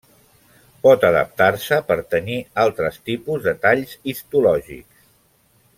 Pot adaptar-se per tenyir altres tipus de talls histològics.